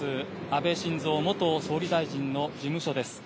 安倍晋三元総理大臣の事務所です。